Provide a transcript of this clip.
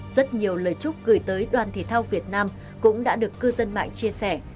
rất nhiều lời chúc gửi tới đoàn thể thao việt nam cũng đã được cư dân mạng chia sẻ